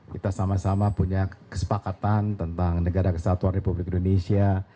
kita sama sama punya kesepakatan tentang negara kesatuan republik indonesia